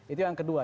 itu yang kedua